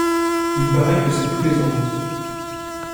Il parait que c’est tous les ans.